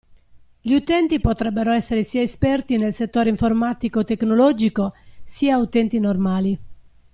Gli utenti potrebbero essere sia esperti nel settore informatico/tecnologico, sia utenti normali.